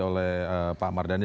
oleh pak amar dhani